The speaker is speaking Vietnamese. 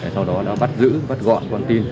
sau đó đã bắt giữ bắt gọn con tin